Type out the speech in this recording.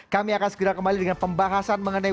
kami akan segera kembali dengan pembahasan mengenai